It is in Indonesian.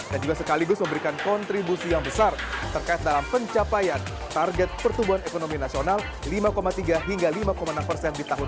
dan juga sekaligus memberikan kontribusi yang besar terkait dalam pencapaian target pertumbuhan ekonomi nasional lima tiga hingga lima enam persen di tahun dua ribu dua puluh